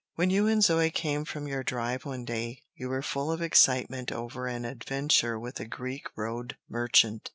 When you and Zoe came from your drive one day you were full of excitement over an adventure with a Greek road merchant.